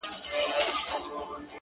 اوس بيا د ښار په ماځيگر كي جادو؛